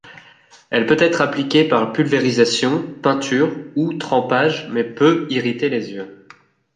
Elle peut être appliquée par pulvérisation, peinture ou trempage mais peut irriter les yeux.